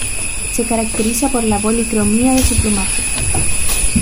Se caracteriza por la policromía de su plumaje.